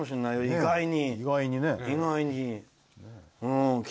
意外に。